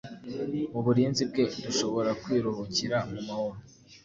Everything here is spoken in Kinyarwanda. Mu burinzi bwe, dushobora kwiruhukira mu mahoro